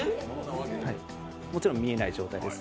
もちろん見えない状態です